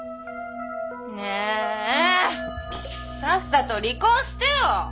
ねえさっさと離婚してよ！